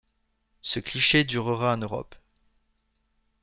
Ce cliché durera en Europe.